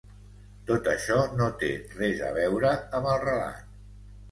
Tot això no té res a veure amb el relat.